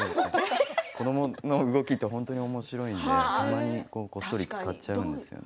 子どもの動きって本当におもしろいんで、たまにこっそり使っちゃうんですよね。